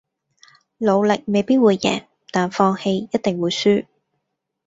努力未必會贏但放棄一定會輸